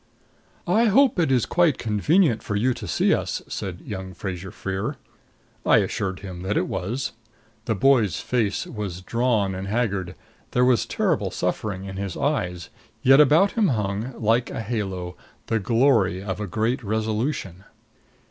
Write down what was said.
"I hope it is quite convenient for you to see us," said young Fraser Freer. I assured him that it was. The boy's face was drawn and haggard; there was terrible suffering in his eyes, yet about him hung, like a halo, the glory of a great resolution.